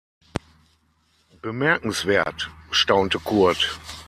Bemerkenswert, staunte Kurt.